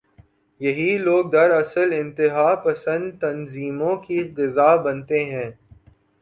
یہی لوگ دراصل انتہا پسند تنظیموں کی غذا بنتے ہیں۔